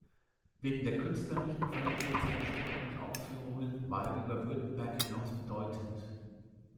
Wegen der künstlerischen Qualität seiner Stücke und Aufführungen war er über Württemberg hinaus bedeutend.